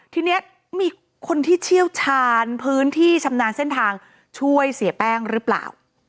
ทีนี้มีคนที่เชี่ยวชาญพื้นที่ชำนาญเส้นทางช่วยเสียแป้งหรือเปล่า